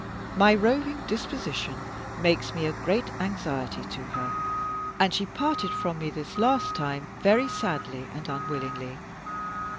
My roving disposition makes me a great anxiety to her, and she parted from me this last time very sadly and unwillingly.